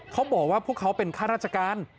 เขาบอกว่าพวกเขาเป็นข้าราชการ